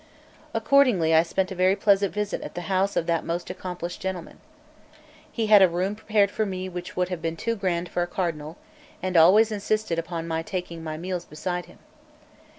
Accordingly I spent a very pleasant visit at the house of that most accomplished gentleman. He had a room prepared for me which would have been too grand for a cardinal, and always insisted on my taking my meals beside him.